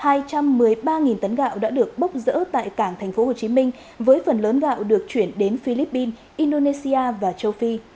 gạo năm tấm của việt nam đã được bốc dỡ tại cảng tp hcm với phần lớn gạo được chuyển đến philippines indonesia và châu phi